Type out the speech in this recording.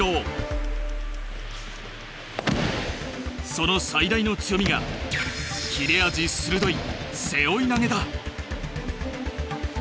その最大の強みが切れ味鋭い背負い投げだ。